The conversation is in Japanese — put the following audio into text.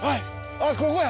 あっここや！